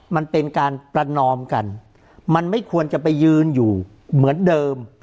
มันเป็นการประนอมกันมันไม่ควรจะไปยืนอยู่เหมือนเดิม